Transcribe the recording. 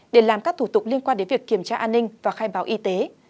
để làm các thủ tục liên quan đến việc kiểm tra an ninh và khai báo y tế